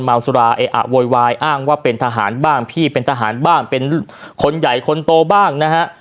สุราเอะอะโวยวายอ้างว่าเป็นทหารบ้างพี่เป็นทหารบ้างเป็นคนใหญ่คนโตบ้างนะฮะ